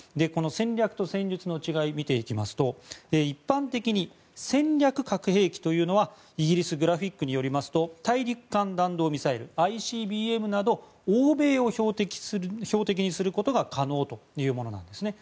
この戦略と戦術の違いを見ていきますと一般的に戦略核兵器というのはイギリスグラフィックによりますと大陸間弾道ミサイル・ＩＣＢＭなど欧米を標的にすることが可能というものなんです。